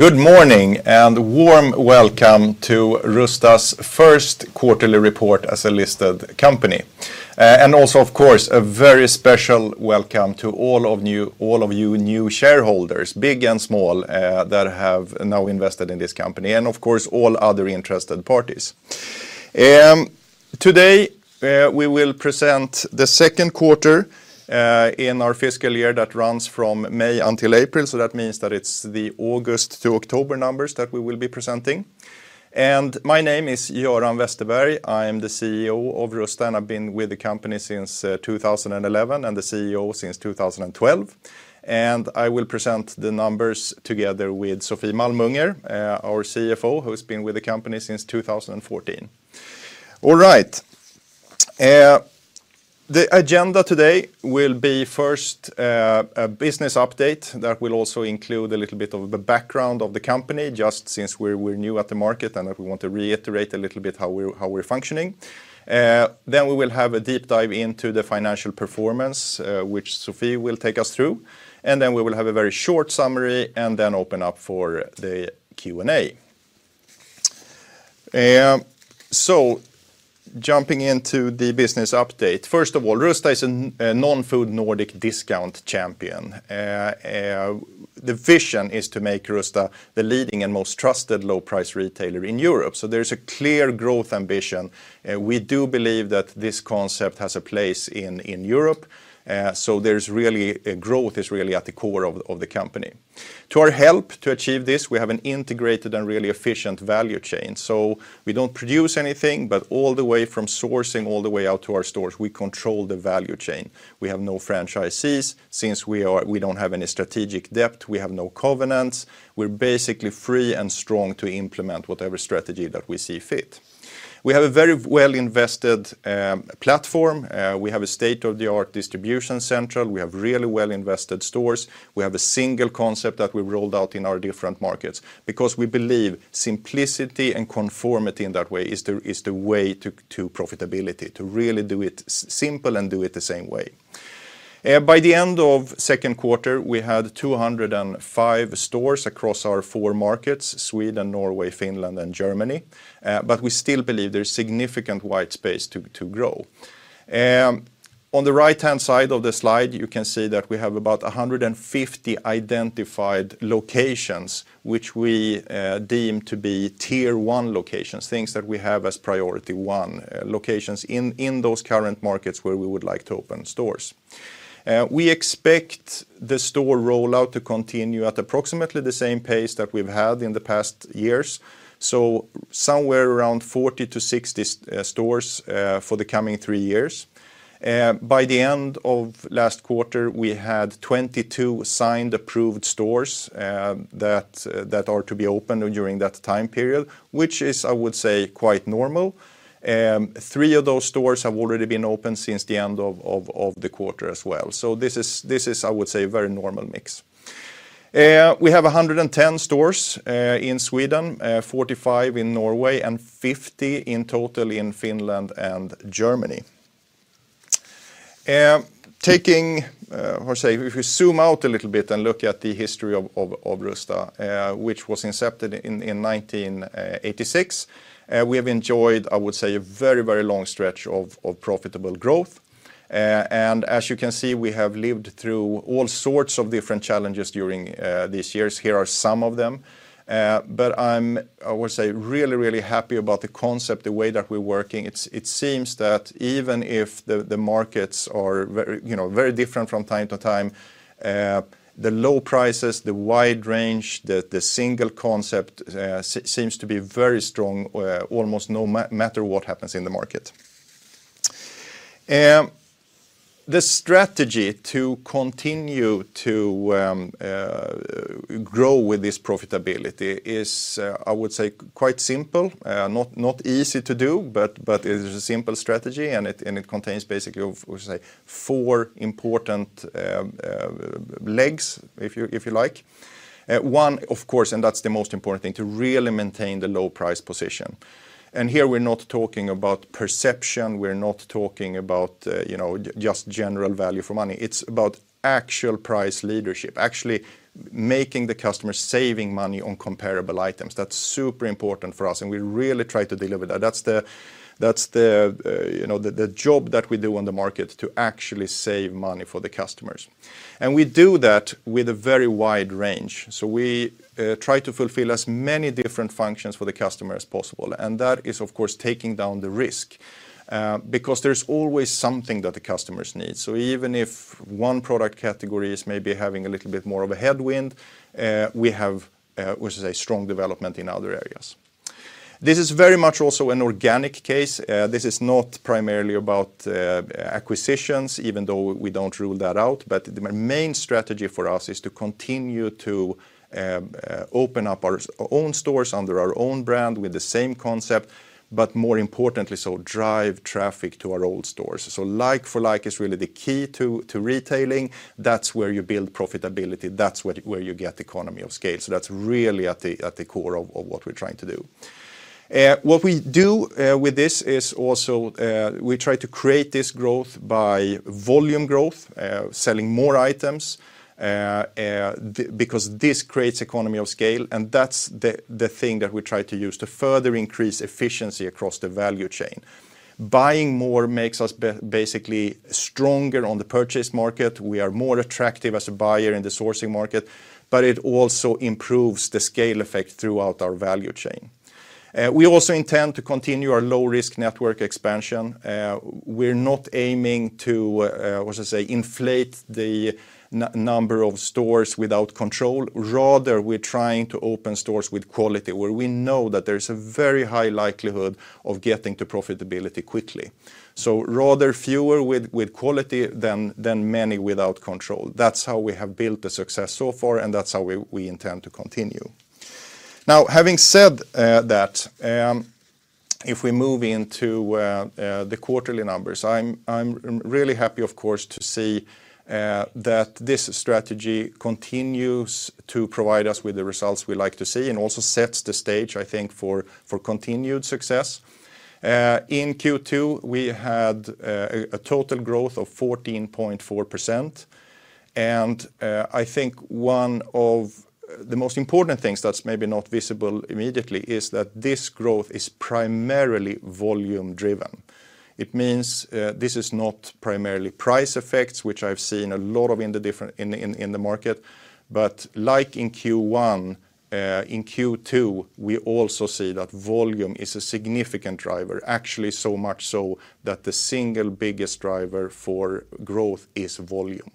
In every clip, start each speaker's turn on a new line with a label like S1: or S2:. S1: Good morning, and a Warm Welcome to Rusta's Q1 report as a listed company. And also, of course, a very special welcome to all of you new shareholders, big and small, that have now invested in this company, and of course, all other interested parties. Today, we will present the Q2 in our fiscal year that runs from May until April. So that means that it's the August to October numbers that we will be presenting. My name is Göran Westerberg. I'm the CEO of Rusta, and I've been with the company since 2011, and the CEO since 2012. I will present the numbers together with Sofie Malmunger, our CFO, who's been with the company since 2014. All right. The agenda today will be first, a business update that will also include a little bit of the background of the company, just since we're, we're new at the market and that we want to reiterate a little bit how we're, how we're functioning. Then we will have a deep dive into the financial performance, which Sofie will take us through, and then we will have a very short summary and then open up for the Q&A. So jumping into the business update. First of all, Rusta is a non-food Nordic discount champion. The vision is to make Rusta the leading and most trusted low-price retailer in Europe. So there's a clear growth ambition, we do believe that this concept has a place in, in Europe, so there's really, growth is really at the core of, of the company. To our help to achieve this, we have an integrated and really efficient value chain. So we don't produce anything, but all the way from sourcing all the way out to our stores, we control the value chain. We have no franchisees since we don't have any strategic depth, we have no covenants. We're basically free and strong to implement whatever strategy that we see fit. We have a very well-invested platform. We have a state-of-the-art distribution central. We have really well-invested stores. We have a single concept that we've rolled out in our different markets because we believe simplicity and conformity in that way is the, is the way to, to profitability, to really do it simple and do it the same way. By the end of Q2, we had 205 stores across our four markets, Sweden, Norway, Finland, and Germany, but we still believe there's significant white space to grow. On the right-hand side of the slide, you can see that we have about 150 identified locations, which we deem to be tier one locations, things that we have as priority one locations in those current markets where we would like to open stores. We expect the store rollout to continue at approximately the same pace that we've had in the past years, so somewhere around 40-60 stores for the coming three years. By the end of last quarter, we had 22 signed, approved stores that are to be opened during that time period, which is, I would say, quite normal. Three of those stores have already been opened since the end of the quarter as well. So this is, this is, I would say, a very normal mix. We have 110 stores in Sweden, 45 in Norway, and 50 in total in Finland and Germany. Taking, or say, if we zoom out a little bit and look at the history of Rusta, which was incepted in 1986, we have enjoyed, I would say, a very, very long stretch of profitable growth. As you can see, we have lived through all sorts of different challenges during these years. Here are some of them. But I'm, I would say, really, really happy about the concept, the way that we're working. It seems that even if the markets are very, you know, very different from time to time, the low prices, the wide range, the single concept seems to be very strong, almost no matter what happens in the market. The strategy to continue to grow with this profitability is, I would say, quite simple. Not easy to do, but it's a simple strategy, and it contains basically, we say, four important legs, if you like. One, of course, and that's the most important thing, to really maintain the low price position. And here, we're not talking about perception, we're not talking about, you know, just general value for money. It's about actual price leadership, actually making the customer saving money on comparable items. That's super important for us, and we really try to deliver that. That's the, that's the, you know, the, the job that we do on the market to actually save money for the customers. And we do that with a very wide range. So we try to fulfill as many different functions for the customer as possible, and that is, of course, taking down the risk, because there's always something that the customers need. So even if one product category is maybe having a little bit more of a headwind, we have, which is a strong development in other areas. This is very much also an organic case. This is not primarily about acquisitions, even though we don't rule that out, but the main strategy for us is to continue to open up our own stores under our own brand with the same concept, but more importantly, so drive traffic to our own stores. So like-for-like is really the key to retailing. That's where you build profitability. That's where you get economy of scale. So that's really at the core of what we're trying to do. What we do with this is also we try to create this growth by volume growth, selling more items, because this creates economy of scale, and that's the thing that we try to use to further increase efficiency across the value chain. Buying more makes us basically stronger on the purchase market. We are more attractive as a buyer in the sourcing market, but it also improves the scale effect throughout our value chain. We also intend to continue our low-risk network expansion. We're not aiming to what you say, inflate the number of stores without control. Rather, we're trying to open stores with quality, where we know that there's a very high likelihood of getting to profitability quickly. So rather fewer with quality than many without control. That's how we have built the success so far, and that's how we intend to continue. Now, having said that, if we move into the quarterly numbers, I'm really happy, of course, to see that this strategy continues to provide us with the results we like to see, and also sets the stage, I think, for continued success. In Q2, we had a total growth of 14.4%, and I think one of the most important things that's maybe not visible immediately is that this growth is primarily volume-driven. It means this is not primarily price effects, which I've seen a lot of in the different, in the market. But like in Q1, in Q2, we also see that volume is a significant driver, actually, so much so that the single biggest driver for growth is volume.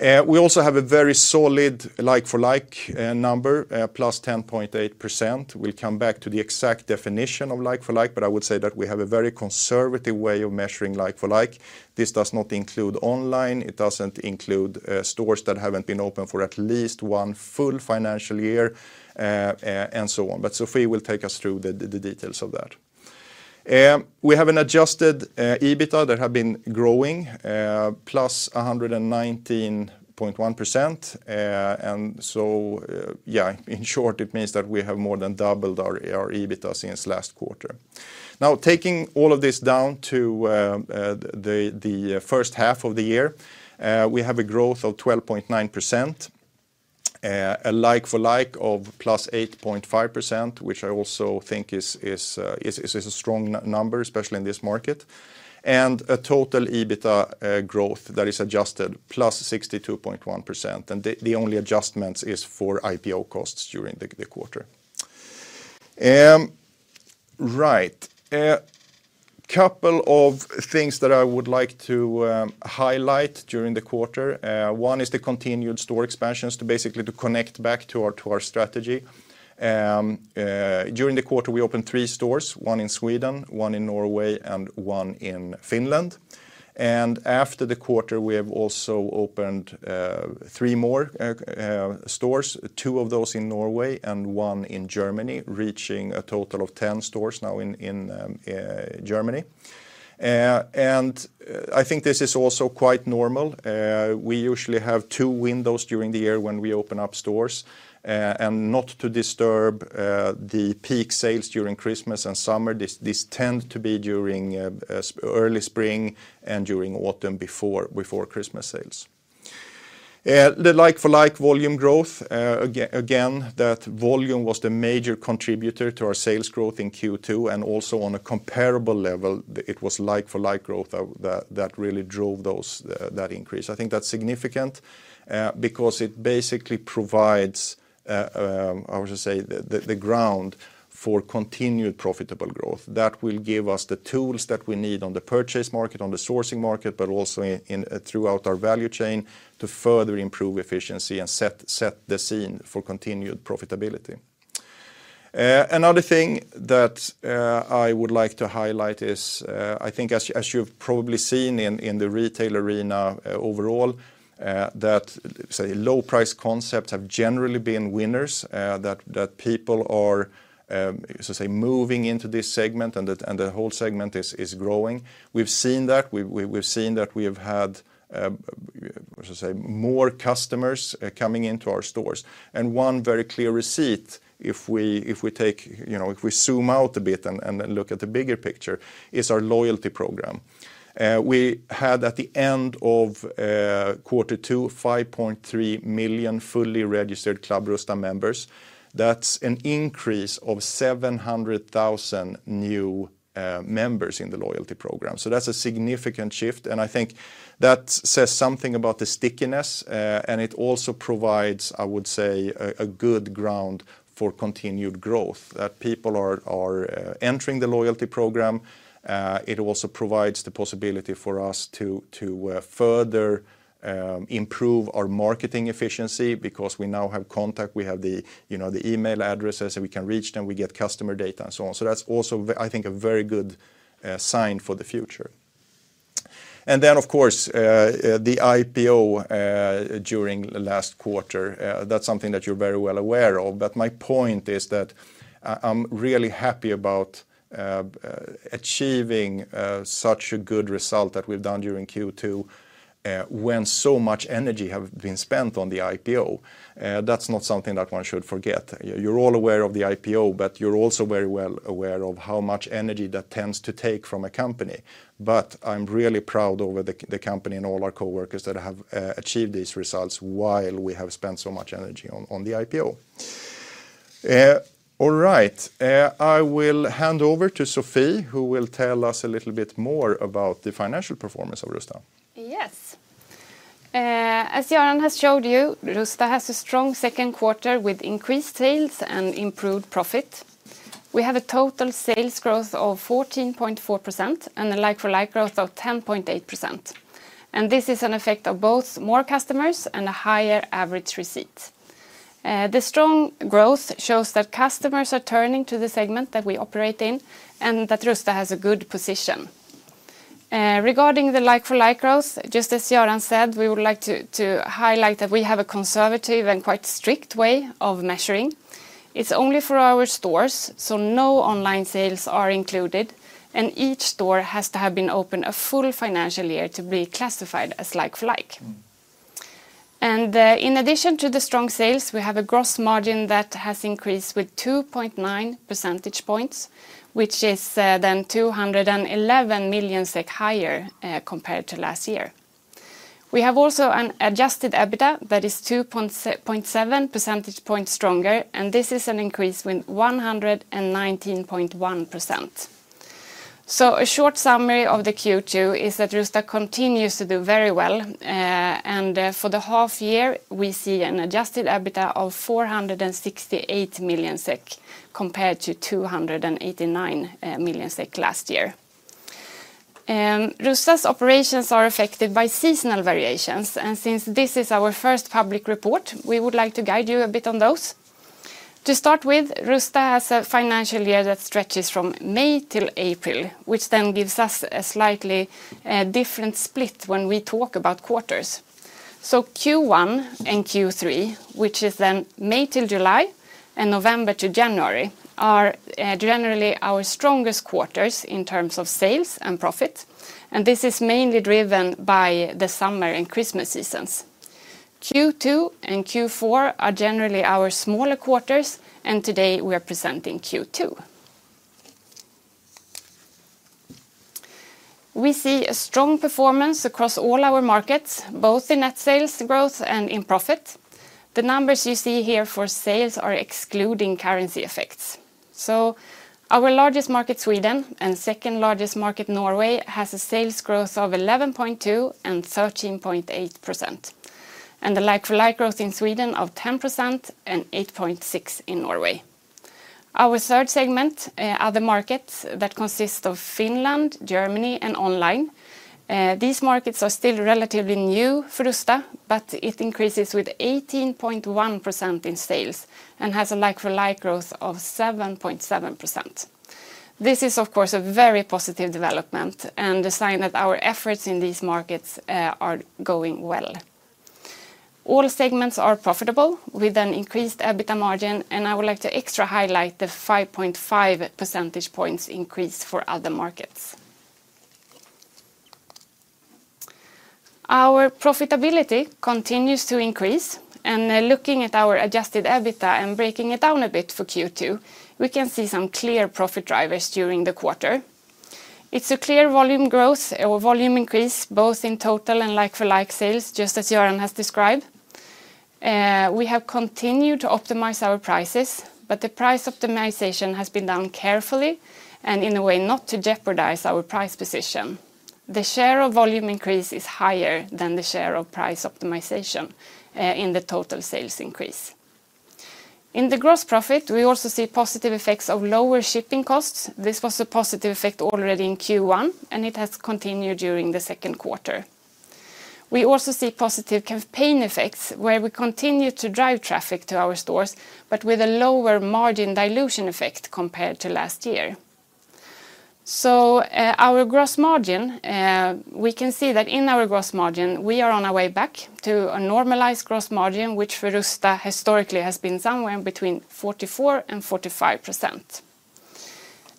S1: We also have a very solid like-for-like number, +10.8%. We'll come back to the exact definition of like-for-like, but I would say that we have a very conservative way of measuring like-for-like. This does not include online, it doesn't include stores that haven't been open for at least one full financial year, and so on. But Sofie will take us through the details of that. We have an adjusted EBITDA that have been growing, +119.1%, and so, yeah, in short, it means that we have more than doubled our EBITDA since last quarter. Now, taking all of this down to the first half of the year, we have a growth of 12.9%, a like-for-like of +8.5%, which I also think is a strong number, especially in this market, and a total EBITDA growth that is adjusted +62.1%, and the only adjustments is for IPO costs during the quarter. Right. A couple of things that I would like to highlight during the quarter. One is the continued store expansions to basically connect back to our strategy. During the quarter, we opened three stores, one in Sweden, one in Norway, and one in Finland. After the quarter, we have also opened three more stores, two of those in Norway and one in Germany, reaching a total of 10 stores now in Germany. I think this is also quite normal. We usually have two windows during the year when we open up stores, and not to disturb the peak sales during Christmas and summer. This tend to be during early spring and during autumn before Christmas sales. The like-for-like volume growth, again, that volume was the major contributor to our sales growth in Q2, and also on a comparable level, it was like-for-like growth that really drove those that increase. I think that's significant, because it basically provides, how to say, the ground for continued profitable growth. That will give us the tools that we need on the purchase market, on the sourcing market, but also in throughout our value chain, to further improve efficiency and set the scene for continued profitability. Another thing that I would like to highlight is, I think as you, as you've probably seen in the retail arena, overall, that, say, low price concepts have generally been winners, that people are so say moving into this segment and the whole segment is growing. We've seen that we have had how to say more customers coming into our stores. And one very clear receipt, if we take, you know, if we zoom out a bit and then look at the bigger picture, is our loyalty program. We had, at the end of Q2, 5.3 million fully registered Club Rusta members. That's an increase of 700,000 new members in the loyalty program. So that's a significant shift, and I think that says something about the stickiness, and it also provides, I would say, a good ground for continued growth, that people are entering the loyalty program. It also provides the possibility for us to further improve our marketing efficiency because we now have contact, we have the, you know, the email addresses, and we can reach them, we get customer data and so on. So that's also, I think, a very good sign for the future. And then, of course, the IPO during the last quarter, that's something that you're very well aware of, but my point is that I, I'm really happy about achieving such a good result that we've done during Q2, when so much energy have been spent on the IPO. That's not something that one should forget. You're all aware of the IPO, but you're also very well aware of how much energy that tends to take from a company. But I'm really proud over the company and all our coworkers that have achieved these results while we have spent so much energy on the IPO. All right. I will hand over to Sofie, who will tell us a little bit more about the financial performance of Rusta.
S2: Yes. As Göran has showed you, Rusta has a strong Q2 with increased sales and improved profit. We have a total sales growth of 14.4% and a like-for-like growth of 10.8%, and this is an effect of both more customers and a higher average receipt. The strong growth shows that customers are turning to the segment that we operate in, and that Rusta has a good position. Regarding the like-for-like growth, just as Göran said, we would like to highlight that we have a conservative and quite strict way of measuring. It's only for our stores, so no online sales are included, and each store has to have been open a full financial year to be classified as like-for-like. In addition to the strong sales, we have a gross margin that has increased with 2.9 percentage points, which is then 211 million SEK higher, compared to last year. We have also an adjusted EBITDA that is 2.7 percentage points stronger, and this is an increase with 119.1%. A short summary of the Q2 is that Rusta continues to do very well, and, for the half year, we see an adjusted EBITDA of 468 million SEK, compared to 289 million SEK last year. Rusta's operations are affected by seasonal variations, and since this is our first public report, we would like to guide you a bit on those. To start with, Rusta has a financial year that stretches from May till April, which then gives us a slightly different split when we talk about quarters. So Q1 and Q3, which is then May till July and November to January, are generally our strongest quarters in terms of sales and profit, and this is mainly driven by the summer and Christmas seasons. Q2 and Q4 are generally our smaller quarters, and today we are presenting Q2. We see a strong performance across all our markets, both in net sales growth and in profit. The numbers you see here for sales are excluding currency effects. So our largest market, Sweden, and second largest market, Norway, has a sales growth of 11.2% and 13.8%, and the like-for-like growth in Sweden of 10% and 8.6% in Norway. Our third segment are the markets that consist of Finland, Germany, and online. These markets are still relatively new for Rusta, but it increases with 18.1% in sales and has a like-for-like growth of 7.7%. This is, of course, a very positive development and a sign that our efforts in these markets are going well. All segments are profitable, with an increased EBITDA margin, and I would like to extra highlight the 5.5 percentage points increase for other markets. Our profitability continues to increase, and looking at our adjusted EBITDA and breaking it down a bit for Q2, we can see some clear profit drivers during the quarter. It's a clear volume growth or volume increase, both in total and like-for-like sales, just as Göran has described. We have continued to optimize our prices, but the price optimization has been done carefully and in a way not to jeopardize our price position. The share of volume increase is higher than the share of price optimization in the total sales increase. In the gross profit, we also see positive effects of lower shipping costs. This was a positive effect already in Q1, and it has continued during the Q2. We also see positive campaign effects, where we continue to drive traffic to our stores, but with a lower margin dilution effect compared to last year. So, our gross margin, we can see that in our gross margin, we are on our way back to a normalized gross margin, which for Rusta historically has been somewhere between 44%-45%.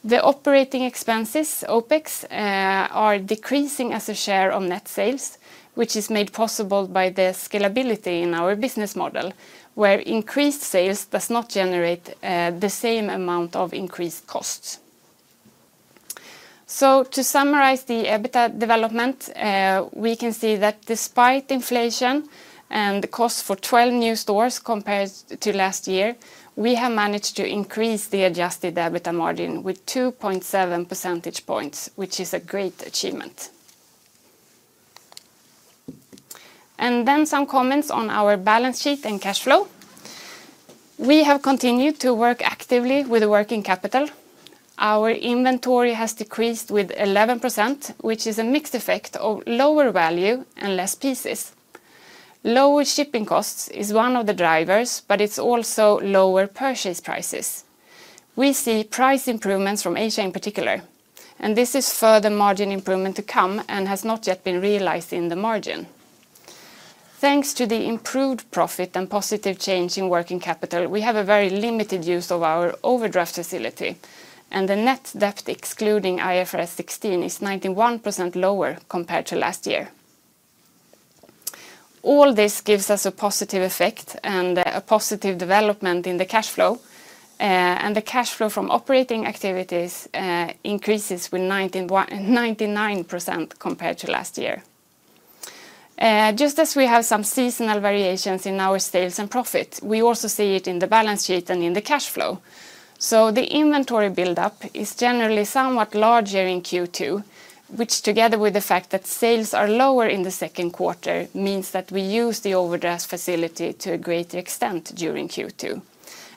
S2: The operating expenses, OpEx, are decreasing as a share of net sales, which is made possible by the scalability in our business model, where increased sales does not generate the same amount of increased costs. So to summarize the EBITDA development, we can see that despite inflation and the cost for 12 new stores compared to last year, we have managed to increase the adjusted EBITDA margin with 2.7 percentage points, which is a great achievement. Then some comments on our balance sheet and cash flow. We have continued to work actively with the working capital. Our inventory has decreased with 11%, which is a mixed effect of lower value and less pieces. Lower shipping costs is one of the drivers, but it's also lower purchase prices. We see price improvements from Asia in particular, and this is further margin improvement to come and has not yet been realized in the margin. Thanks to the improved profit and positive change in working capital, we have a very limited use of our overdraft facility, and the net debt, excluding IFRS 16, is 91% lower compared to last year. All this gives us a positive effect and a positive development in the cash flow, and the cash flow from operating activities increases with 99% compared to last year. Just as we have some seasonal variations in our sales and profit, we also see it in the balance sheet and in the cash flow. So the inventory buildup is generally somewhat larger in Q2, which, together with the fact that sales are lower in the Q2, means that we use the overdraft facility to a greater extent during Q2,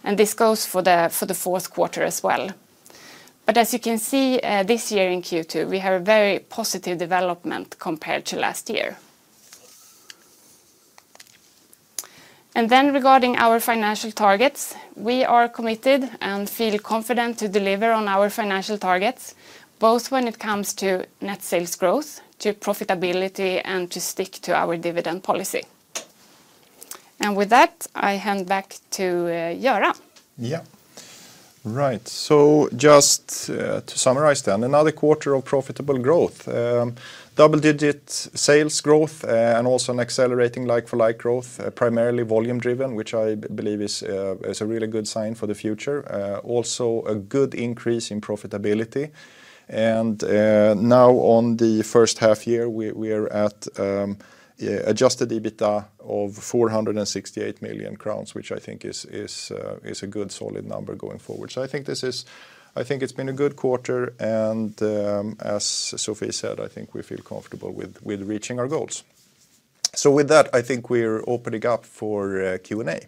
S2: and this goes for the Q4 as well. But as you can see, this year in Q2, we have a very positive development compared to last year. And then regarding our financial targets, we are committed and feel confident to deliver on our financial targets, both when it comes to net sales growth, to profitability, and to stick to our dividend policy. And with that, I hand back to Göran.
S1: Yeah. Right. So just to summarize then, another quarter of profitable growth, double-digit sales growth, and also an accelerating like-for-like growth, primarily volume driven, which I believe is a really good sign for the future. Also a good increase in profitability. And now on the first half year, we are at adjusted EBITDA of 468 million crowns, which I think is a good solid number going forward. So I think this is. I think it's been a good quarter, and as Sofie said, I think we feel comfortable with reaching our goals. So with that, I think we're opening up for Q&A.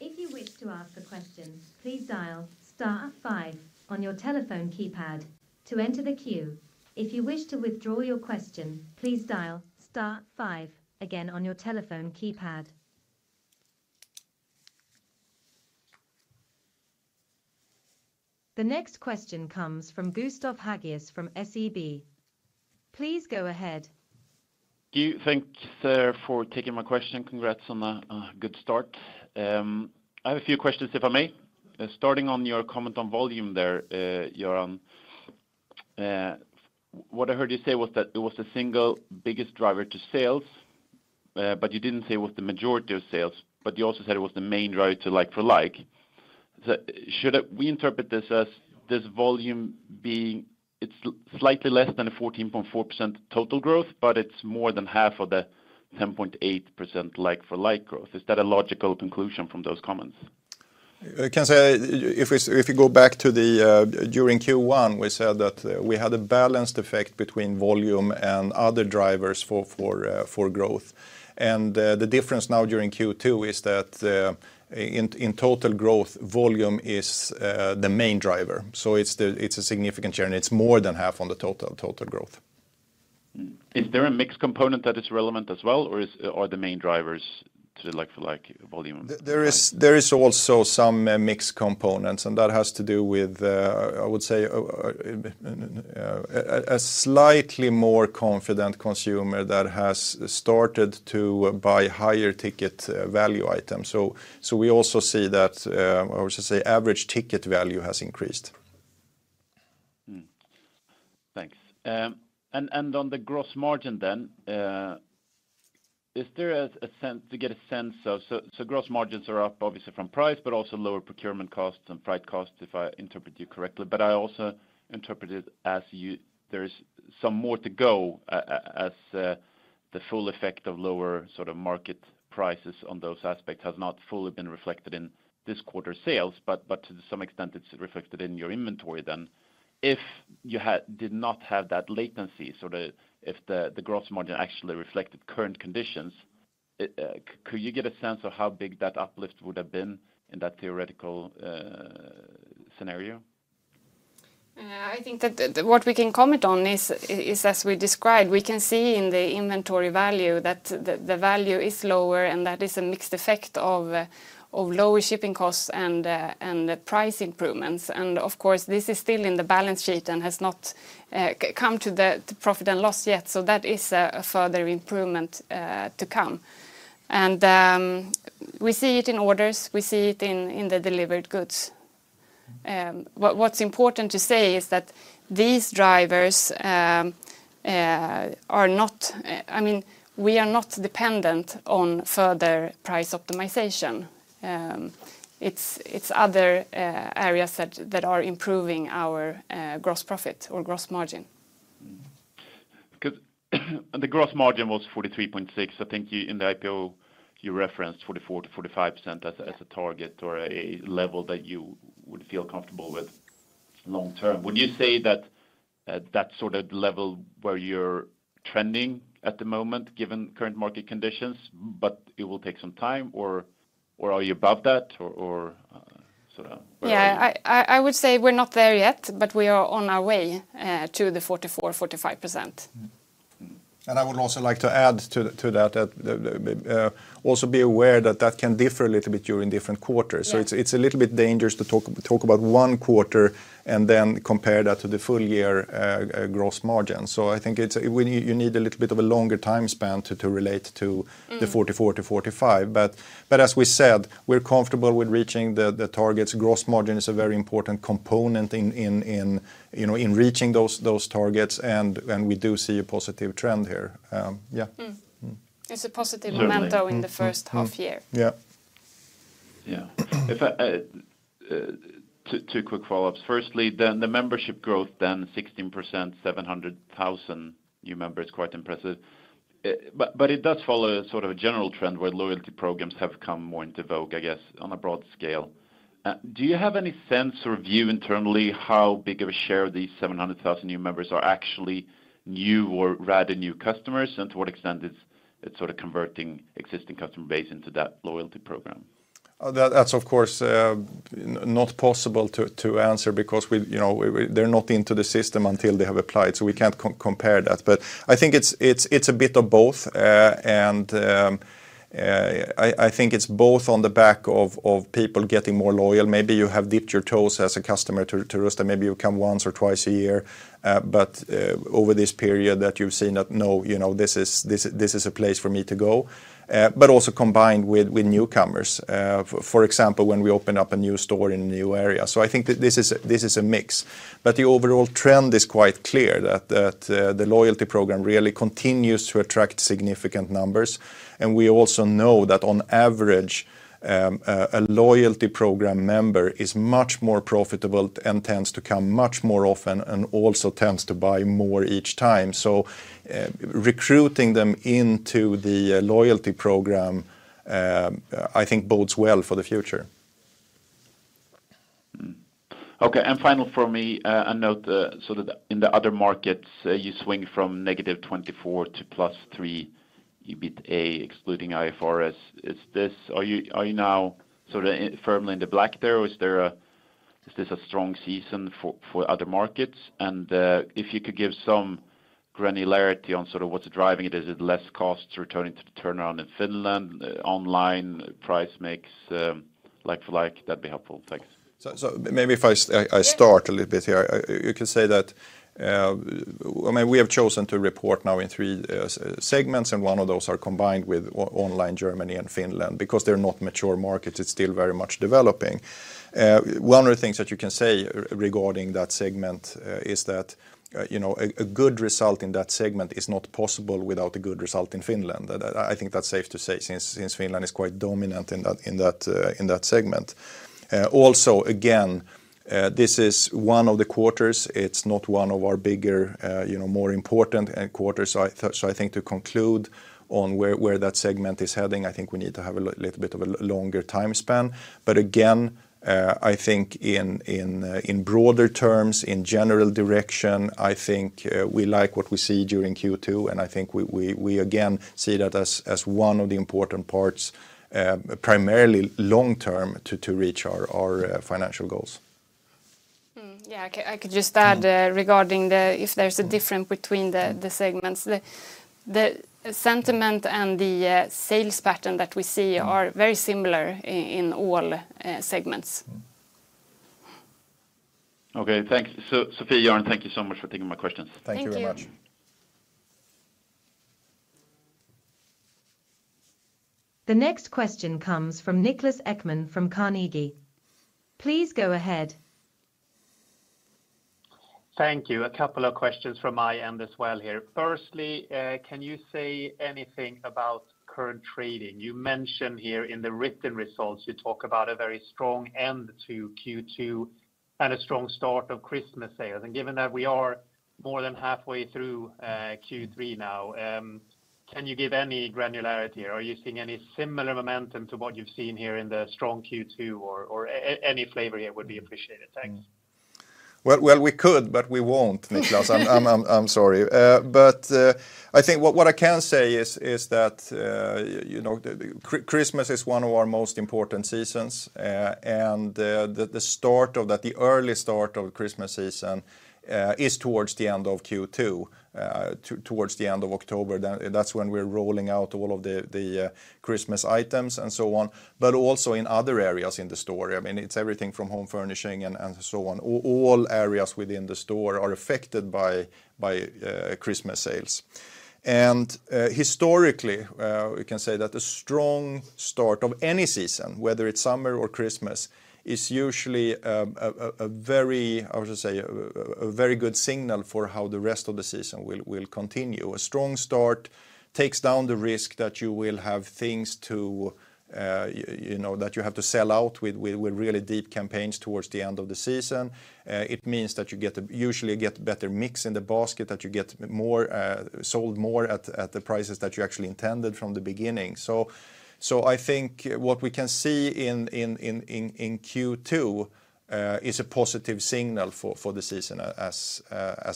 S3: If you wish to ask a question, please dial star five on your telephone keypad to enter the queue. If you wish to withdraw your question, please dial star five again on your telephone keypad. The next question comes from Gustav Hagéus from SEB. Please go ahead.
S4: Thank you, sir, for taking my question. Congrats on a good start. I have a few questions, if I may. Starting on your comment on volume there, Göran. What I heard you say was that it was the single biggest driver to sales, but you didn't say it was the majority of sales, but you also said it was the main driver to like-for-like. So should we interpret this as this volume being, it's slightly less than a 14.4% total growth, but it's more than half of the 10.8% like-for-like growth? Is that a logical conclusion from those comments?
S1: I can say, if we go back to the during Q1, we said that we had a balanced effect between volume and other drivers for growth. The difference now during Q2 is that in total growth, volume is the main driver. It's a significant change. It's more than half on the total growth.
S4: Is there a mixed component that is relevant as well, or are the main drivers to like-for-like volume?
S1: There is also some mixed components, and that has to do with the, I would say, a slightly more confident consumer that has started to buy higher ticket value items. So we also see that, or we should say average ticket value has increased.
S4: Thanks. And on the gross margin then, is there a sense of, So, gross margins are up obviously from price, but also lower procurement costs and freight costs, if I interpret you correctly. But I also interpret it as you, there is some more to go, as the full effect of lower sort of market prices on those aspects has not fully been reflected in this quarter's sales, but to some extent, it's reflected in your inventory then. If you did not have that latency, if the gross margin actually reflected current conditions, could you get a sense of how big that uplift would have been in that theoretical scenario?
S2: I think that what we can comment on is, as we described, we can see in the inventory value that the value is lower, and that is a mixed effect of lower shipping costs and price improvements. And of course, this is still in the balance sheet and has not come to the profit and loss yet, so that is a further improvement to come. We see it in orders, we see it in the delivered goods. What's important to say is that these drivers are not, i mean, we are not dependent on further price optimization. It's other areas that are improving our gross profit or gross margin.
S4: Because the gross margin was 43.6%. I think you, in the IPO, you referenced 44%-45% as a target or a level that you would feel comfortable with long term. Would you say that that sort of level where you're trending at the moment, given current market conditions, but it will take some time, or are you above that, or sort of where are you?
S2: Yeah, I would say we're not there yet, but we are on our way to the 44%-45%.
S1: And I would also like to add to that, also be aware that that can differ a little bit during different quarters. So it's a little bit dangerous to talk about one quarter and then compare that to the full year gross margin. So I think it's... you need a little bit of a longer time span to relate to the 44-45. But as we said, we're comfortable with reaching the targets. Gross margin is a very important component in, you know, in reaching those targets, and we do see a positive trend here. Yeah.
S2: It's a positive momentum in the first half year.
S1: Yeah.
S4: Yeah. If two quick follow-ups. Firstly, the membership growth, 16%, 700,000 new members, quite impressive. But it does follow sort of a general trend where loyalty programs have come more into vogue, I guess, on a broad scale. Do you have any sense or view internally how big of a share these 700,000 new members are actually new or rather new customers? And to what extent is it sort of converting existing customer base into that loyalty program?
S1: That's, of course, not possible to answer because we, you know, we, they're not into the system until they have applied, so we can't compare that. But I think it's a bit of both. And I think it's both on the back of people getting more loyal. Maybe you have dipped your toes as a customer to Rusta. Maybe you come once or twice a year, but over this period that you've seen that, no, you know, this is this is a place for me to go, but also combined with newcomers, for example, when we open up a new store in a new area. So I think that this is a mix. The overall trend is quite clear that the loyalty program really continues to attract significant numbers. We also know that on average, a loyalty program member is much more profitable and tends to come much more often and also tends to buy more each time. Recruiting them into the loyalty program, I think bodes well for the future.
S4: Okay, and final for me, I note, so that in the other markets, you swing from -24 to +3, EBITA, excluding IFRS. Is this? Are you now sort of firmly in the black there, or is this a strong season for other markets? And if you could give some granularity on sort of what's driving it, is it less costs returning to the turnaround in Finland, online, price makes, like for like, that'd be helpful. Thanks.
S1: So maybe if I start a little bit here. You can say that, I mean, we have chosen to report now in three segments, and one of those are combined with online, Germany and Finland. Because they're not mature markets, it's still very much developing. One of the things that you can say regarding that segment is that, you know, a good result in that segment is not possible without a good result in Finland. And I think that's safe to say, since Finland is quite dominant in that segment. Also, again, this is one of the quarters. It's not one of our bigger, you know, more important quarters. So I think to conclude on where that segment is heading, I think we need to have a little bit of a longer time span. But again, I think in broader terms, in general direction, I think we like what we see during Q2, and I think we again see that as one of the important parts, primarily long term, to reach our financial goals.
S2: Yeah, I could just add, regarding the, if there's a difference between the segments. The sentiment and the sales pattern that we see are very similar in all segments.
S4: Okay, thanks. So Sofie, Göran, thank you so much for taking my questions.
S1: Thank you very much.
S2: Thank you.
S3: The next question comes from Niklas Ekman from Carnegie. Please go ahead.
S5: Thank you. A couple of questions from my end as well here. Firstly, can you say anything about current trading? You mentioned here in the written results, you talk about a very strong end to Q2 and a strong start of Christmas sales. And given that we are more than halfway through Q3 now, can you give any granularity? Are you seeing any similar momentum to what you've seen here in the strong Q2 or any flavor here would be appreciated? Thanks.
S1: Well, well, we could, but we won't, Niklas. I'm sorry. But I think what I can say is that you know, Christmas is one of our most important seasons, and the start of that, the early start of Christmas season, is towards the end of Q2, towards the end of October. That's when we're rolling out all of the Christmas items and so on, but also in other areas in the store. I mean, it's everything from home furnishing and so on. All areas within the store are affected by Christmas sales. Historically, we can say that the strong start of any season, whether it's summer or Christmas, is usually a very good signal for how the rest of the season will continue. A strong start takes down the risk that you will have things to, you know, that you have to sell out with really deep campaigns towards the end of the season. It means that you usually get better mix in the basket, that you get more sold more at the prices that you actually intended from the beginning. I think what we can see in Q2 is a positive signal for the season as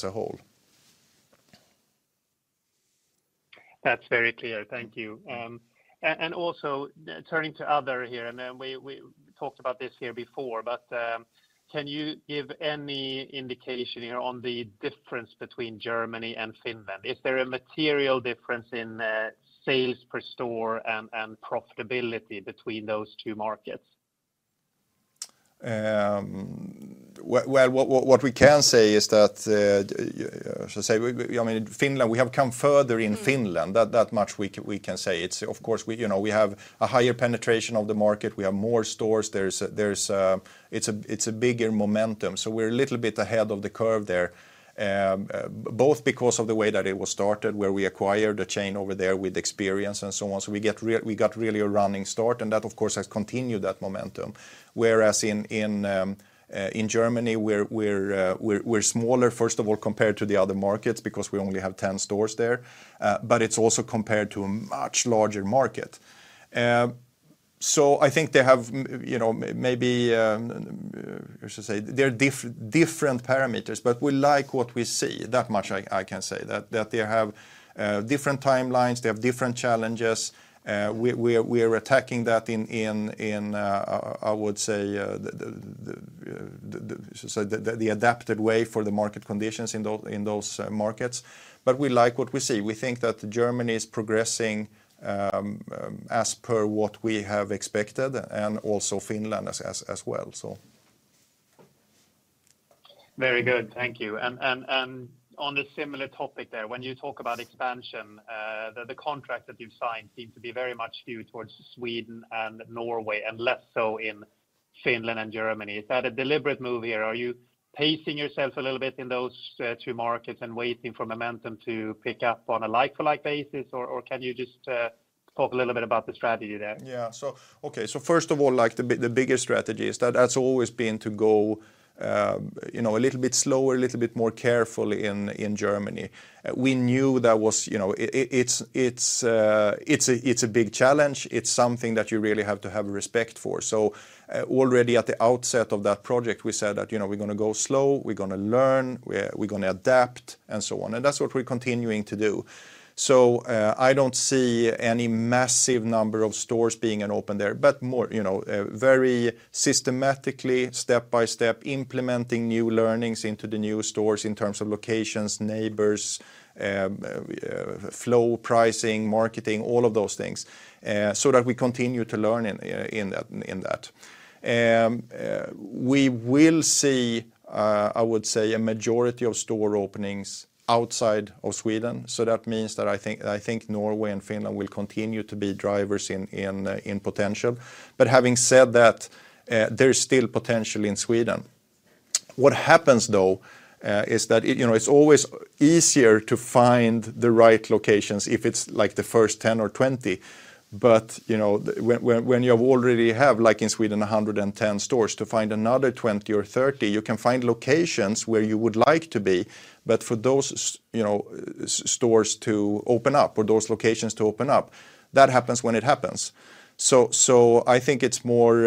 S1: a whole.
S5: That's very clear. Thank you. And also, turning to other here, and then we talked about this here before, but, can you give any indication here on the difference between Germany and Finland? Is there a material difference in, sales per store and profitability between those two markets?
S1: Well, what we can say is that we should say, I mean, in Finland, we have come further in Finland. That much we can say. It's of course, you know, we have a higher penetration of the market. We have more stores. There's a bigger momentum, so we're a little bit ahead of the curve there. Both because of the way that it was started, where we acquired a chain over there with experience and so on. So we got really a running start, and that, of course, has continued that momentum. Whereas in Germany, we're smaller, first of all, compared to the other markets, because we only have 10 stores there, but it's also compared to a much larger market. So I think they have, you know, maybe, what you should say? There are different parameters, but we like what we see. That much I can say, that they have different timelines, they have different challenges. We are attacking that in, I would say, the adapted way for the market conditions in those markets. But we like what we see. We think that Germany is progressing, as per what we have expected, and also Finland as well, so.
S5: Very good. Thank you. And on a similar topic there, when you talk about expansion, the contract that you've signed seem to be very much skewed towards Sweden and Norway, and less so in Finland and Germany. Is that a deliberate move here? Are you pacing yourself a little bit in those two markets and waiting for momentum to pick up on a like for like basis, or can you just talk a little bit about the strategy there?
S1: Yeah. So, okay, so first of all, like, the bigger strategy is that that's always been to go, you know, a little bit slower, a little bit more carefully in Germany. We knew that was, you know, it's a big challenge. It's something that you really have to have respect for. So, already at the outset of that project, we said that, "You know, we're gonna go slow, we're gonna adapt, and so on." And that's what we're continuing to do. So, I don't see any massive number of stores being opened there, but more, you know, very systematically, step-by-step, implementing new learnings into the new stores in terms of locations, neighbors, flow, pricing, marketing, all of those things, so that we continue to learn in that, in that. We will see, I would say, a majority of store openings outside of Sweden, so that means that I think, I think Norway and Finland will continue to be drivers in, in, in potential. But having said that, there's still potential in Sweden. What happens, though, is that it, you know, it's always easier to find the right locations if it's, like, the first 10 or 20. But, you know, when you already have, like in Sweden, 110 stores, to find another 20 or 30, you can find locations where you would like to be. But for those, you know, stores to open up or those locations to open up, that happens when it happens. So I think it's more,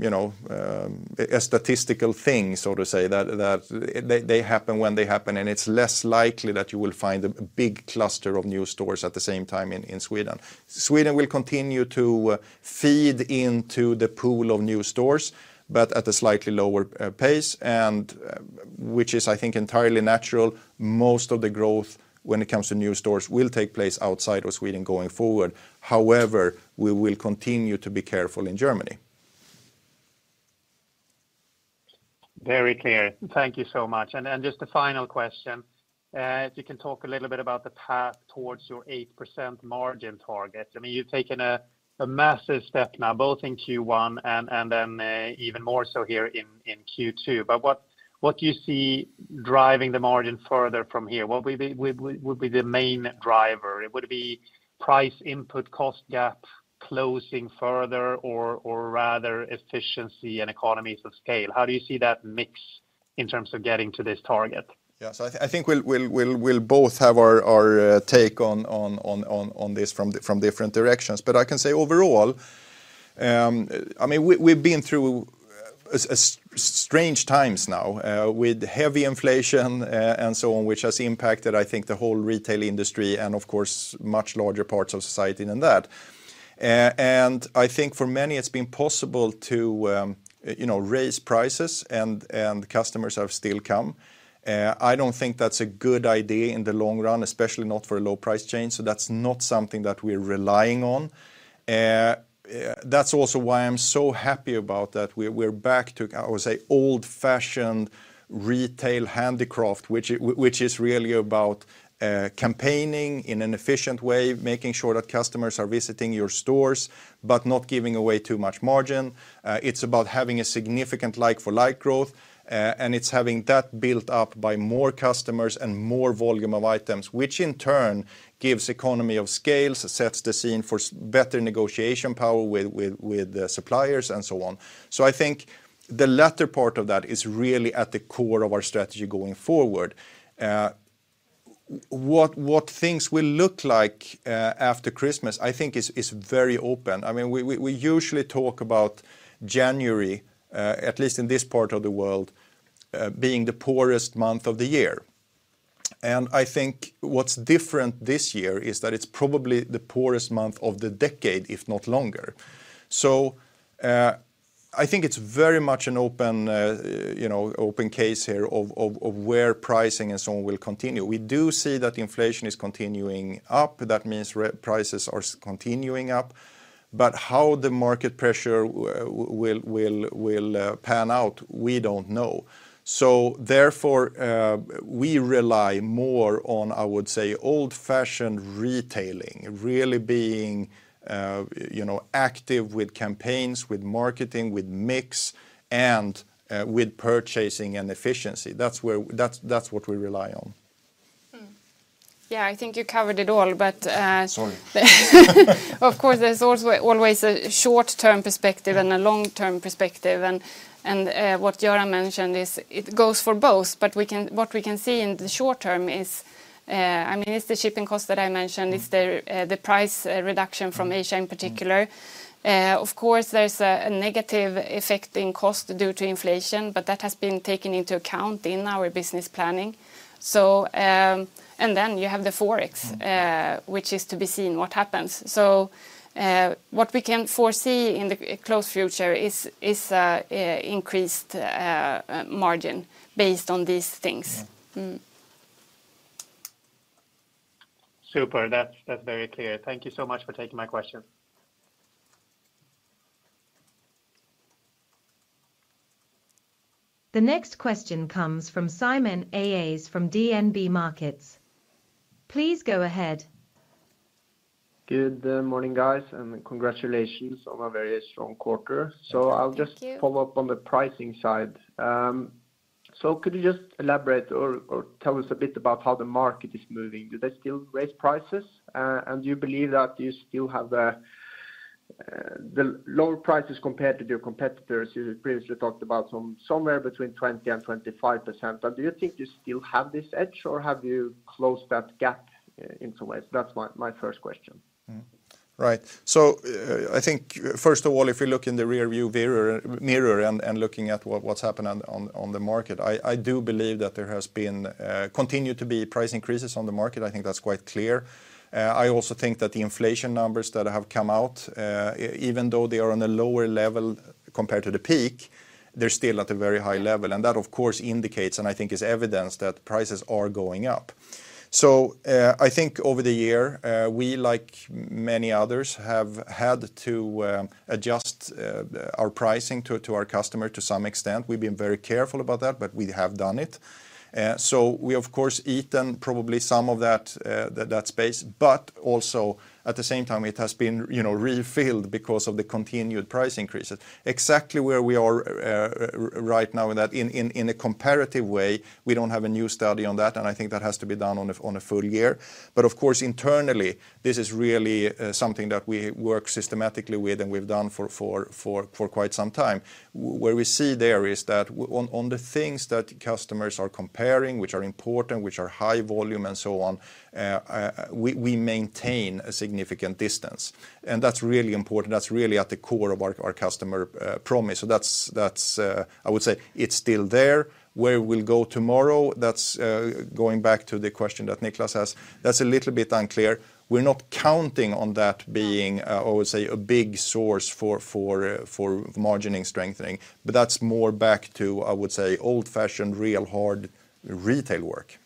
S1: you know, a statistical thing, so to say, that they happen when they happen, and it's less likely that you will find a big cluster of new stores at the same time in Sweden. Sweden will continue to feed into the pool of new stores, but at a slightly lower pace, and which is, I think, entirely natural. Most of the growth, when it comes to new stores, will take place outside of Sweden going forward. However, we will continue to be careful in Germany.
S5: Very clear. Thank you so much. And just a final question. If you can talk a little bit about the path towards your 8% margin target. I mean, you've taken a massive step now, both in Q1 and then even more so here in Q2. But what do you see driving the margin further from here? What would be the main driver? It would be price input, cost gap closing further or rather efficiency and economies of scale. How do you see that mix in terms of getting to this target?
S1: Yes. I think we'll both have our take on this from different directions. But I can say overall, I mean, we've been through a strange times now with heavy inflation and so on, which has impacted, I think, the whole retail industry and, of course, much larger parts of society than that. And I think for many, it's been possible to, you know, raise prices, and customers have still come. I don't think that's a good idea in the long run, especially not for a low price chain, so that's not something that we're relying on. That's also why I'm so happy about that. We're back to, I would say, old-fashioned retail handicraft, which is really about campaigning in an efficient way, making sure that customers are visiting your stores, but not giving away too much margin. It's about having a significant like-for-like growth, and it's having that built up by more customers and more volume of items, which in turn gives economies of scale, sets the scene for better negotiation power with the suppliers, and so on. So I think the latter part of that is really at the core of our strategy going forward. What things will look like after Christmas, I think is very open. I mean, we usually talk about January, at least in this part of the world, being the poorest month of the year. I think what's different this year is that it's probably the poorest month of the decade, if not longer. So, I think it's very much an open, you know, open case here of where pricing and so on will continue. We do see that inflation is continuing up. That means re-prices are continuing up. But how the market pressure will pan out, we don't know. So therefore, we rely more on, I would say, old-fashioned retailing, really being, you know, active with campaigns, with marketing, with mix, and with purchasing and efficiency. That's where. That's what we rely on.
S2: Yeah, I think you covered it all, but,
S1: Sorry.
S2: Of course, there's also always a short-term perspective and a long-term perspective. What Göran mentioned is it goes for both, but we can, what we can see in the short term is, I mean, it's the shipping cost that I mentioned, it's the, the price reduction from Asia in particular. Of course, there's a negative effect in cost due to inflation, but that has been taken into account in our business planning. So, and then you have the Forex, which is to be seen what happens. So, what we can foresee in the close future is increased margin based on these things.
S5: Super. That's, that's very clear. Thank you so much for taking my question.
S3: The next question comes from Simen Aas from DNB Markets. Please go ahead.
S6: Good morning, guys, and congratulations on a very strong quarter.
S2: Thank you.
S6: So I'll just follow up on the pricing side. So could you just elaborate or, or tell us a bit about how the market is moving? Do they still raise prices? And do you believe that you still have the lower prices compared to your competitors? You previously talked about somewhere between 20%-25%. But do you think you still have this edge, or have you closed that gap in some ways? That's my first question.
S1: Right. So, I think, first of all, if you look in the rearview mirror and looking at what's happened on the market, I do believe that there has been continued to be price increases on the market. I think that's quite clear. I also think that the inflation numbers that have come out, even though they are on a lower level compared to the peak, they're still at a very high level. And that, of course, indicates, and I think is evidence, that prices are going up. So, I think over the year, we, like many others, have had to adjust our pricing to our customer to some extent. We've been very careful about that, but we have done it. So we, of course, taken probably some of that space, but also, at the same time, it has been, you know, refilled because of the continued price increases. Exactly where we are right now in that a comparative way, we don't have a new study on that, and I think that has to be done on a full year. But of course, internally, this is really something that we work systematically with, and we've done for quite some time. Where we see there is that on the things that customers are comparing, which are important, which are high volume and so on, we maintain a significant distance, and that's really important. That's really at the core of our customer promise. So that's, I would say, it's still there. Where we'll go tomorrow, that's going back to the question that Niklas asked, that's a little bit unclear. We're not counting on that being, I would say, a big source for margining strengthening, but that's more back to, I would say, old-fashioned, real hard retail work.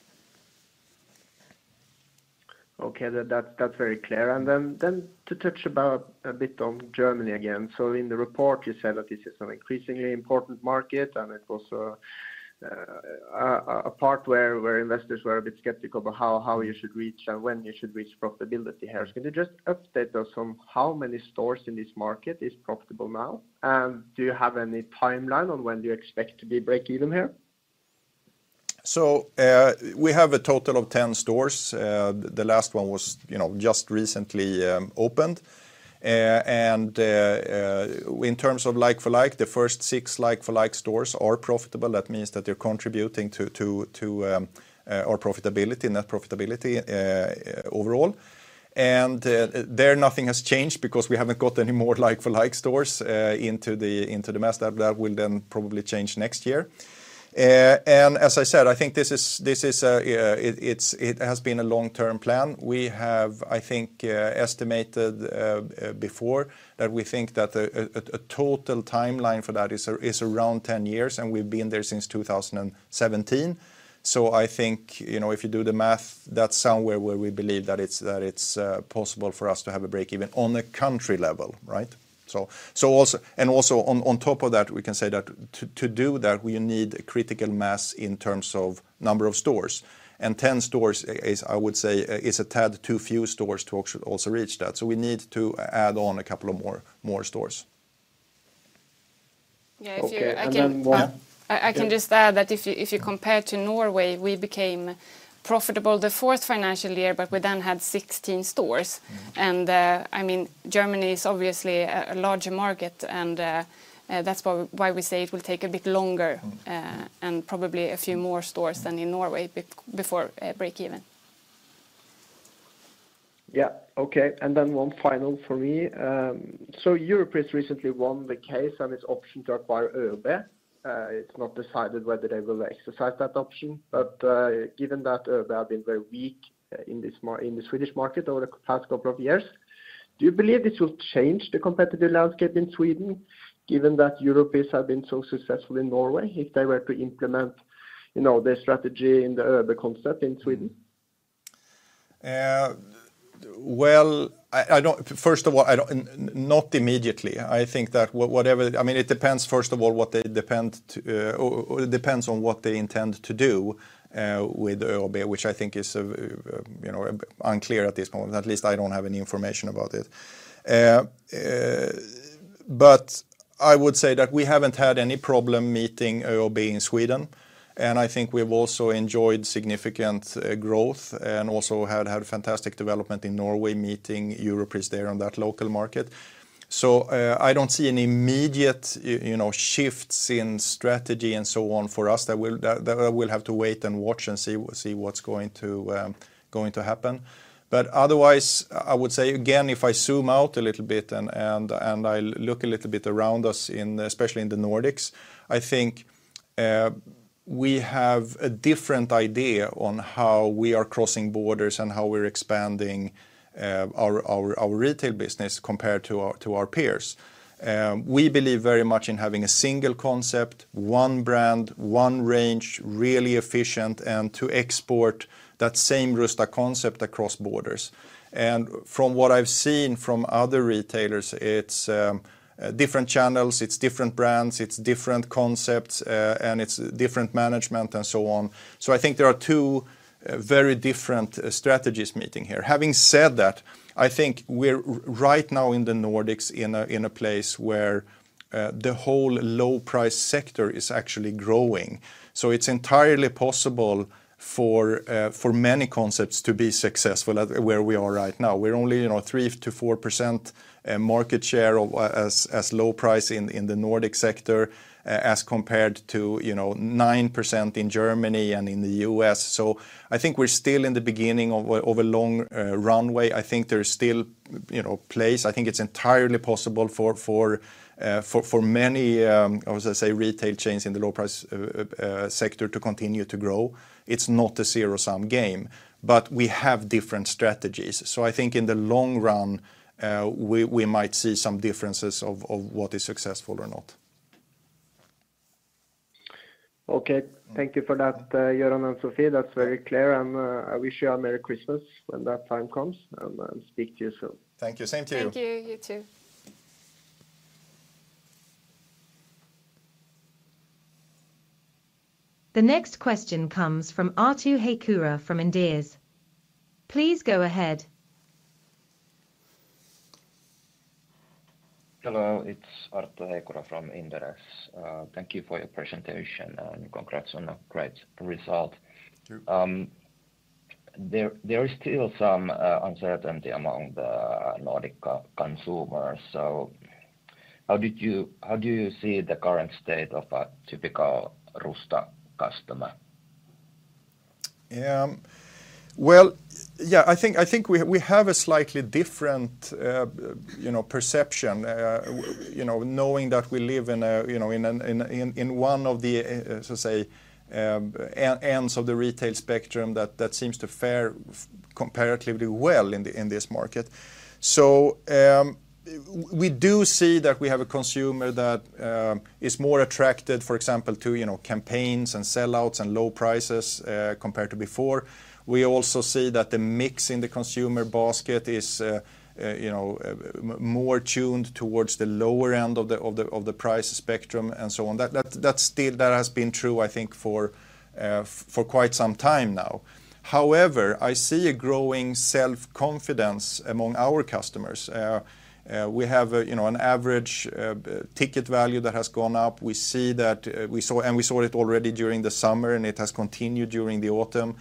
S6: Okay. That's very clear. And then to touch a bit on Germany again. So in the report, you said that this is an increasingly important market, and it was a part where investors were a bit skeptical about how you should reach and when you should reach profitability here. Can you just update us on how many stores in this market is profitable now? And do you have any timeline on when do you expect to be break even here?
S1: So, we have a total of 10 stores. The last one was, you know, just recently opened. In terms of like-for-like, the first six like-for-like stores are profitable. That means that they're contributing to our profitability, net profitability, overall. And nothing has changed because we haven't got any more like-for-like stores into the mix. That will then probably change next year. And as I said, I think this is. It has been a long-term plan. We have, I think, estimated before that we think that a total timeline for that is around 10 years, and we've been there since 2017. So I think, you know, if you do the math, that's somewhere where we believe that it's possible for us to have a break even on a country level, right? So also and also on top of that, we can say that to do that, we need a critical mass in terms of number of stores. And 10 stores is, I would say, a tad too few stores to also reach that. So we need to add on a couple of more stores.
S2: Yeah, if you-
S6: Okay, and then one-
S2: I can, I can just add that if you compare to Norway, we became profitable the fourth financial year, but we then had 16 stores. I mean, Germany is obviously a larger market, and that's why we say it will take a bit longer and probably a few more stores than in Norway before break even.
S6: Yeah. Okay, and then one final for me. So Europris has recently won the case and its option to acquire ÖoB. It's not decided whether they will exercise that option, but, given that, they have been very weak in the Swedish market over the past couple of years, do you believe this will change the competitive landscape in Sweden, given that Europris has, have been so successful in Norway, if they were to implement, you know, their strategy in the, the concept in Sweden?
S1: Well, first of all, not immediately. I think that whatever, I mean, it depends, first of all, or it depends on what they intend to do with ÖoB, which I think is, you know, unclear at this point. At least I don't have any information about it. But I would say that we haven't had any problem meeting ÖoB in Sweden, and I think we've also enjoyed significant growth and also had a fantastic development in Norway, meeting Europris there on that local market. So, I don't see any immediate, you know, shifts in strategy and so on for us. That we'll have to wait and watch and see what's going to happen. But otherwise, I would say, again, if I zoom out a little bit and I look a little bit around us in, especially in the Nordics, I think we have a different idea on how we are crossing borders and how we're expanding our retail business compared to our peers. We believe very much in having a single concept, one brand, one range, really efficient, and to export that same Rusta concept across borders. And from what I've seen from other retailers, it's different channels, it's different brands, it's different concepts, and it's different management and so on. So I think there are two very different strategies meeting here. Having said that, I think we're right now in the Nordics, in a place where the whole low price sector is actually growing. So it's entirely possible for many concepts to be successful at where we are right now. We're only, you know, 3%-4% market share of low price in the Nordic sector, as compared to, you know, 9% in Germany and in the U.S. So I think we're still in the beginning of a long runway. I think there's still, you know, place. I think it's entirely possible for many retail chains in the low price sector to continue to grow. It's not a zero-sum game, but we have different strategies. So I think in the long run, we might see some differences of what is successful or not.
S6: Okay. Thank you for that, Göran and Sophia. That's very clear, and I wish you a merry Christmas when that time comes, and speak to you soon.
S1: Thank you. Same to you.
S6: Thank you. You, too.
S3: The next question comes from Arttu Heikura from Inderes. Please go ahead.
S7: Hello, it's Arttu Heikura from Inderes. Thank you for your presentation, and congrats on a great result.
S1: Sure.
S7: There is still some uncertainty among the Nordic consumers. So how did you-- how do you see the current state of a typical Rusta customer?
S1: Well, yeah, I think we have a slightly different, you know, perception, you know, knowing that we live in a, you know, in one of the so to say ends of the retail spectrum, that seems to fare comparatively well in this market. So, we do see that we have a consumer that is more attracted, for example, to, you know, campaigns and sellouts and low prices, compared to before. We also see that the mix in the consumer basket is, you know, more tuned towards the lower end of the price spectrum, and so on. That's still that has been true, I think for quite some time now. However, I see a growing self-confidence among our customers. We have a, you know, an average ticket value that has gone up. We see that we saw it already during the summer, and it has continued during the autumn.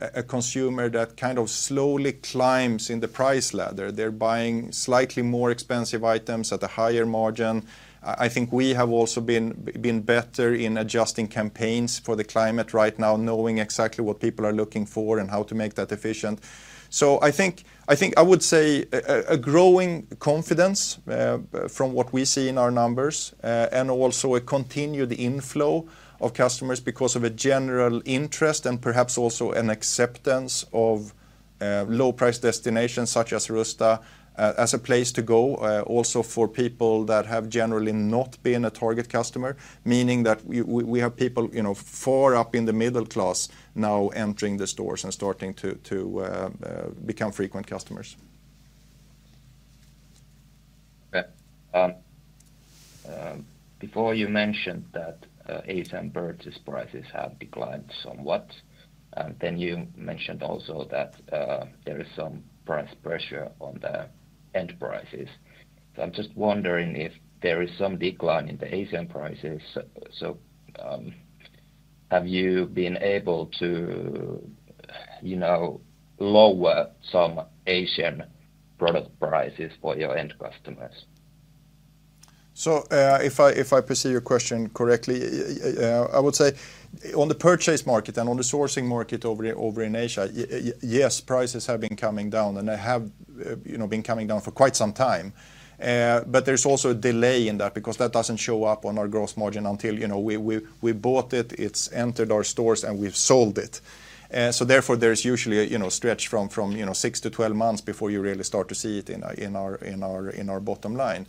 S1: A consumer that kind of slowly climbs in the price ladder, they're buying slightly more expensive items at a higher margin. I think we have also been better in adjusting campaigns for the climate right now, knowing exactly what people are looking for and how to make that efficient. So I think I would say a growing confidence from what we see in our numbers and also a continued inflow of customers because of a general interest and perhaps also an acceptance of low price destinations such as Rusta as a place to go also for people that have generally not been a target customer. Meaning that we have people, you know, far up in the middle class now entering the stores and starting to become frequent customers.
S7: Yeah. Before you mentioned that, Asian purchase prices have declined somewhat, and then you mentioned also that, there is some price pressure on the end prices. So I'm just wondering if there is some decline in the Asian prices. So, have you been able to, you know, lower some Asian product prices for your end customers?
S1: So, if I perceive your question correctly, I would say on the purchase market and on the sourcing market over in Asia, yes, prices have been coming down, and they have, you know, been coming down for quite some time. But there's also a delay in that because that doesn't show up on our gross margin until, you know, we bought it, it's entered our stores, and we've sold it. So therefore, there's usually a, you know, stretch from 6-12 months before you really start to see it in our bottom line.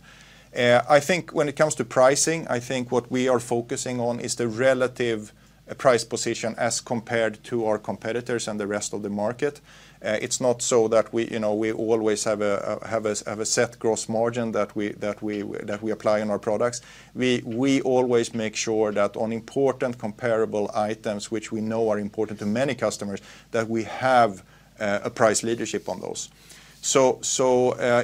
S1: I think when it comes to pricing, I think what we are focusing on is the relative price position as compared to our competitors and the rest of the market. It's not so that we, you know, we always have a set gross margin that we apply in our products. We always make sure that on important comparable items, which we know are important to many customers, that we have a price leadership on those. So,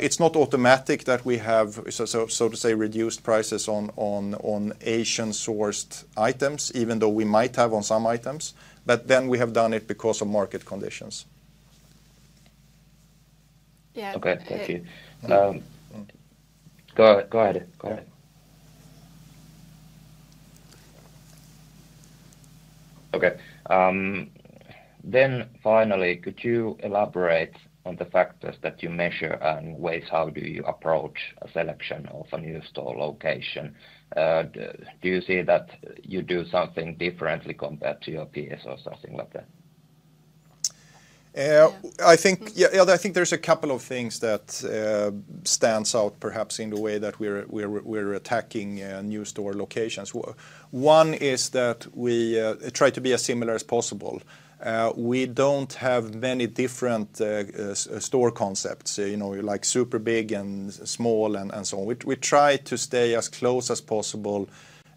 S1: it's not automatic that we have, so to say, reduced prices on Asian-sourced items, even though we might have on some items, but then we have done it because of market conditions.
S2: Yeah.
S7: Okay, thank you. Go ahead. Go ahead. Okay, then finally, could you elaborate on the factors that you measure and ways how do you approach a selection of a new store location? Do you see that you do something differently compared to your peers or something like that?
S1: I think, yeah, I think there's a couple of things that stands out perhaps in the way that we're attacking new store locations. One is that we try to be as similar as possible. We don't have many different store concepts, you know, like super big and small and so on. We try to stay as close as possible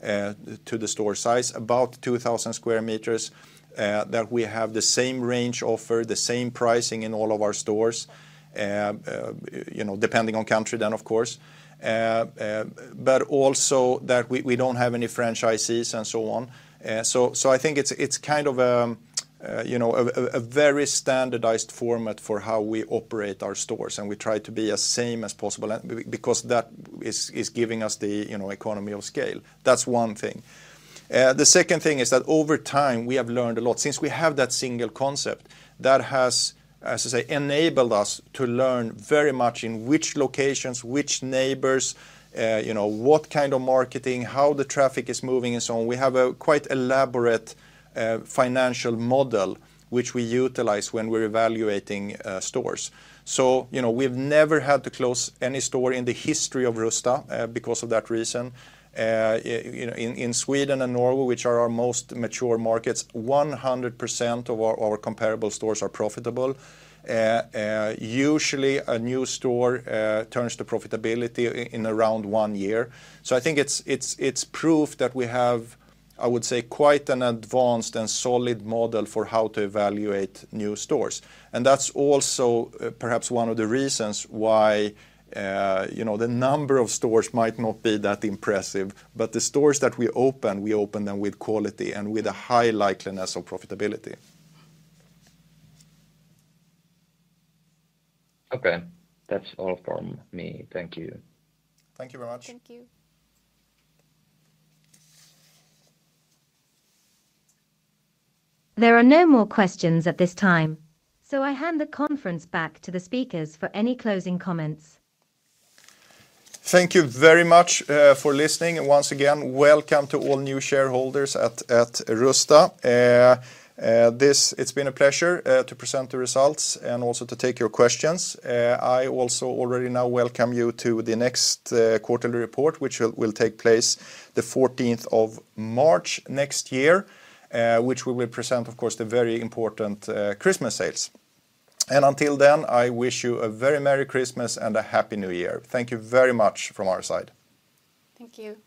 S1: to the store size, about 2,000 square meters, that we have the same range offer, the same pricing in all of our stores, you know, depending on country, then, of course, but also that we don't have any franchisees and so on. So I think it's kind of, you know, a very standardized format for how we operate our stores, and we try to be as same as possible because that is giving us the, you know, economy of scale. That's one thing. The second thing is that over time, we have learned a lot. Since we have that single concept, that has, as I say, enabled us to learn very much in which locations, which neighbors, you know, what kind of marketing, how the traffic is moving and so on. We have a quite elaborate financial model, which we utilize when we're evaluating stores. So, you know, we've never had to close any store in the history of Rusta because of that reason. You know, in Sweden and Norway, which are our most mature markets, 100% of our comparable stores are profitable. Usually a new store turns to profitability in around one year. So I think it's proof that we have, I would say, quite an advanced and solid model for how to evaluate new stores. And that's also perhaps one of the reasons why, you know, the number of stores might not be that impressive, but the stores that we open, we open them with quality and with a high likelihood of profitability.
S7: Okay. That's all from me. Thank you.
S1: Thank you very much.
S7: Thank you.
S3: There are no more questions at this time, so I hand the conference back to the speakers for any closing comments.
S1: Thank you very much for listening. And once again, welcome to all new shareholders at Rusta. This, it's been a pleasure to present the results and also to take your questions. I also already now welcome you to the next quarterly report, which will take place the fourteenth of March next year, which we will present, of course, the very important Christmas sales. And until then, I wish you a very merry Christmas and a happy New Year. Thank you very much from our side.
S2: Thank you.